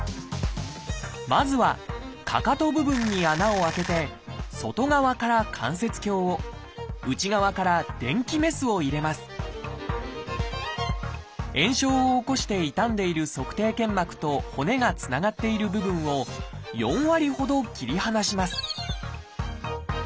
まずはかかと部分に穴を開けて外側から関節鏡を内側から電気メスを入れます炎症を起こして傷んでいる足底腱膜と骨がつながっている部分を４割ほど切り離します